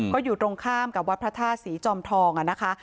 ก็อยู่ตรงข้ามกับวัดพระธาตุศรีจอมทองนะคะ